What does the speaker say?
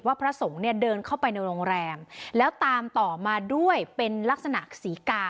พระสงฆ์เนี่ยเดินเข้าไปในโรงแรมแล้วตามต่อมาด้วยเป็นลักษณะศรีกา